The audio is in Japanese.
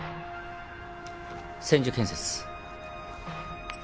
千住建設。